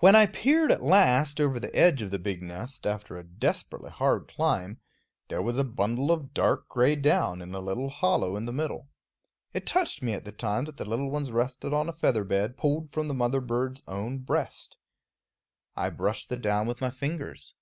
When I peered at last over the edge of the big nest, after a desperately hard climb, there was a bundle of dark gray down in a little hollow in the middle. It touched me at the time that the little ones rested on a feather bed pulled from the mother bird's own breast. I brushed the down with my fingers.